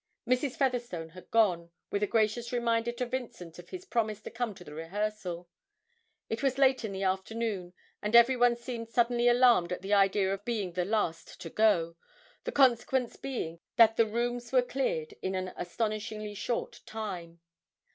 Mrs. Featherstone had gone, with a gracious reminder to Vincent of his promise to come to the rehearsal. It was late in the afternoon, and everyone seemed suddenly alarmed at the idea of being the last to go, the consequence being that the rooms were cleared in an astonishingly short time.